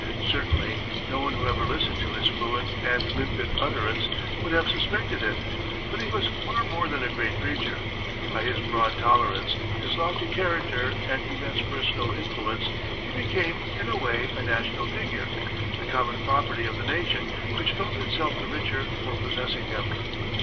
Certainly, no one who ever listened to his fluent and limpid utterance would have suspected it. But he was far more than a great preacher. By his broad tolerance, his lofty character and immense personal influence, he became, in a way, a national figure, the common property of the nation which felt itself the richer for possessing him.